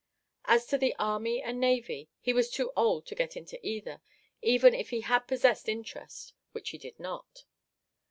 As to the army and navy, he was too old to get into either, even if he had possessed interest, which he did not.